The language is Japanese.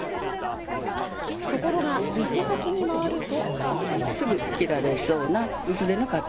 ところが店先に回ると。